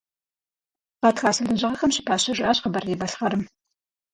Гъатхасэ лэжьыгъэхэм щыпащэжащ Къэбэрдей-Балъкъэрым.